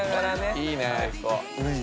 いいね。